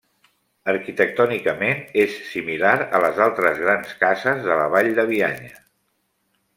Arquitectònicament és similar a les altres grans cases de la Vall de Bianya.